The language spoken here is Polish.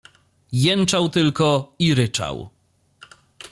"Jęczał tylko i ryczał."